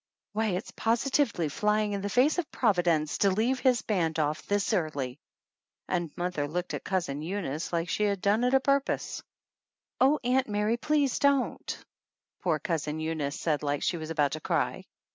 "Why, it's positively flying in the face of Providence to leave his band off this early!" And mother looked at Cousin Eunice like she had done it a purpose. "Oh, Aunt Mary, please don't," poor Cousin Eunice said like she was about to cry.